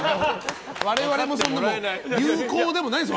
我々も流行でもないですよ